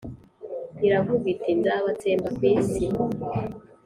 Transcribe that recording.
iravuga iti ‘Nzabatsemba ku isi